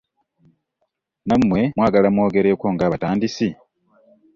Nammwe mwagala mwogerweko ng'abatandisi?